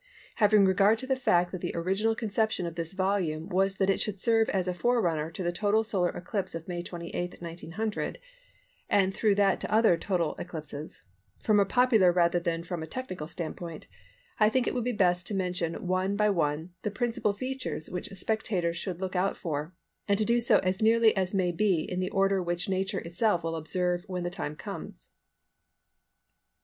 Having regard to the fact that the original conception of this volume was that it should serve as a forerunner to the total solar eclipse of May 28, 1900 (and through that to other total eclipses), from a popular rather than from a technical standpoint, I think it will be best to mention one by one the principal features which spectators should look out for, and to do so as nearly as may be in the order which Nature itself will observe when the time comes.